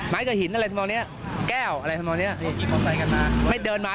ไม้กับหินอะไรสำหรับเนี้ยแก้วอะไรสำหรับเนี้ยไม่เดินมา